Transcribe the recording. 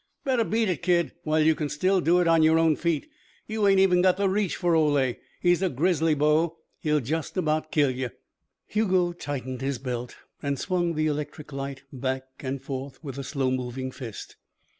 "Better beat it, kid, while you can still do it on your own feet. You ain't even got the reach for Ole. He's a grizzly, bo. He'll just about kill you." Hugo tightened his belt and swung the electric light back and forth with a slow moving fist.